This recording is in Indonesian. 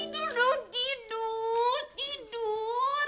ih tidur dong tidur tidur